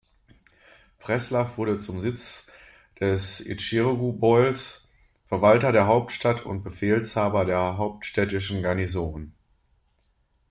Preslaw wurde zum Sitz des "Itschirgu-Boils", Verwalter der Hauptstadt und Befehlshaber der hauptstädtischen Garnison.